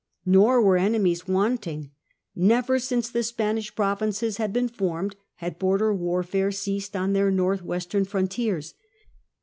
Nor were enemies wanting; never, since the Spanish pro vinces had been formed, had border warfare ceased on their north western frontiers.